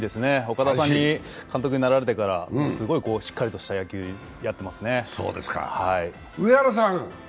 岡田監督になられてからすごいしっかりとした野球やっていますね。